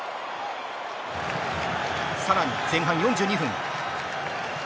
さらに、前半４２分。